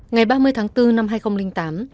ngày ba mươi tháng bốn năm hai nghìn tám